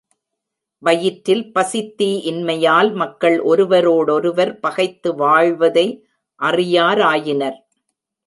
வயிற்றில் பசித் தீ இன்மையால், மக்கள் ஒருவரோடொருவர் பகைத்து வாழ்வதை அறியாராயினர்.